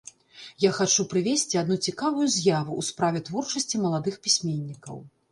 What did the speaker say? Я хачу прывесці адну цікавую з'яву ў справе творчасці маладых пісьменнікаў.